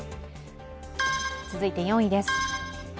続いて４位です。